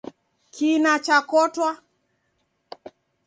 Kina chakotwa